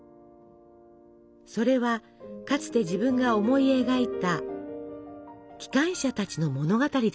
それはかつて自分が思い描いた機関車たちの物語でした。